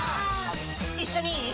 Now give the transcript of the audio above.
一緒にいい？